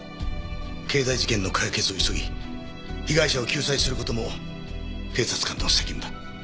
経済事件の解決を急ぎ被害者を救済する事も警察官の責務だ。